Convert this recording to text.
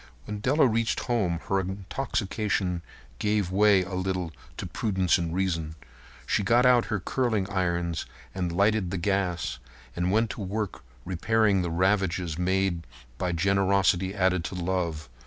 When Della reached home her intoxication gave way a little to prudence and reason. She got out her curling irons and lighted the gas and went to work repairing the ravages made by generosity added to love.